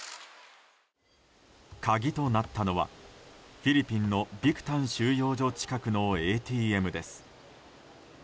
鍵となったのはフィリピンのビクタン収容所近くのＡＴＭです。